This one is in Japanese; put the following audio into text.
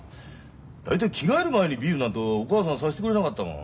大体着替える前にビールなんてお母さんさしてくれなかったもん。